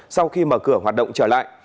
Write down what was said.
sau khi mở cửa hoạt động trở lại